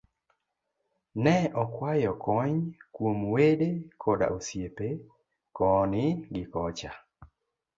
Ne okwayo kony kuom wede koda osiepe koni gikocha